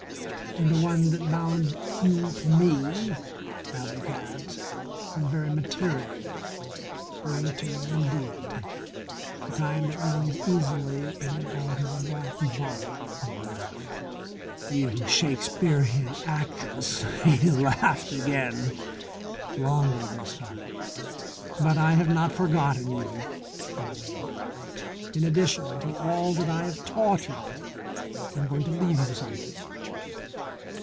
And the one that bound you to me, alley cat, was very material, very material indeed. The kind that runs easily in and out of a black bottle." He laughed. "You Shakespearian actress!" He laughed again, longer this time. "But I have not forgotten you," he resumed. "In addition to all that I have taught you, I am going to leave you something.